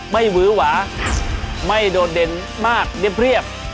หวือหวาไม่โดดเด่นมากเรียบ